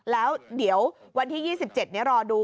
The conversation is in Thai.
แล้วเดี๋ยววันที่๒๗นี้รอดู